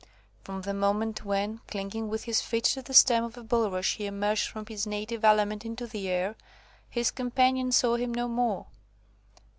From the moment when, clinging with his feet to the stem of a bulrush, he emerged from his native element into the air, his companions saw him no more.